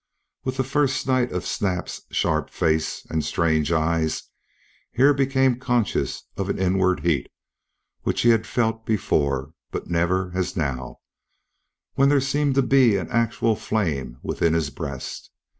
With the first sight of Snap's sharp face and strange eyes Hare became conscious of an inward heat, which he had felt before, but never as now, when there seemed to be an actual flame within his breast.